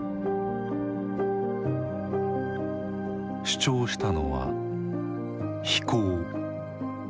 主張したのは「非攻」。